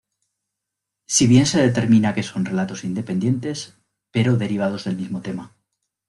Si bien se determina que son relatos independientes, pero derivados del mismo tema.